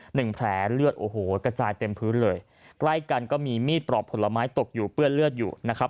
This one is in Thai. หนึ่งแผลเลือดโอ้โหกระจายเต็มพื้นเลยใกล้กันก็มีมีดปลอกผลไม้ตกอยู่เปื้อนเลือดอยู่นะครับ